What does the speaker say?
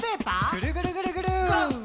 ぐるぐるぐるぐる。